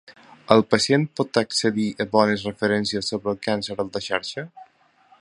El pacient pot accedir a bones referències sobre el càncer en la xarxa?